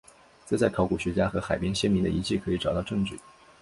这在考古学家在海边先民的遗迹可以找到证据。